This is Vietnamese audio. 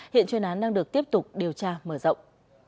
hiện chuyên án đang được tiếp tục điều tra mở rộng